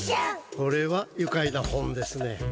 これはゆかいな本ですね。